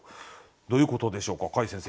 どういうことでしょうか櫂先生